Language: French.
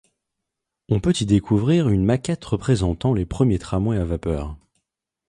On peut y découvrir une maquette représentant les premiers tramways à vapeur.